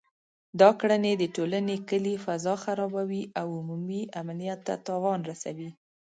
دا کړنې د ټولنې کلي فضا خرابوي او عمومي امنیت ته تاوان رسوي